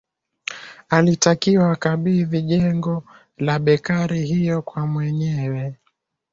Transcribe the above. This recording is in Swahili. Alitakiwa akabidhi jengo la bekari hiyo kwa mwenyewe